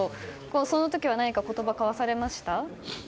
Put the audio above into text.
その時は何か言葉を交わされましたか。